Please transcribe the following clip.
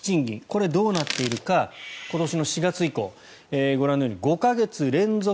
これはどうなっているか今年の４月以降ご覧のように５か月連続